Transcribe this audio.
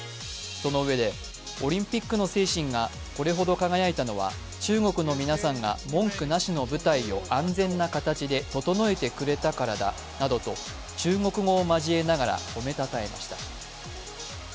そのうえで、オリンピックの精神がこれほど輝いたのは中国の皆さんが文句なしの舞台を安全な形で整えてくれたからだなどと、中国語を交えながら褒めたたえました。